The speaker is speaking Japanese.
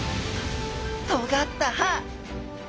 とがった歯！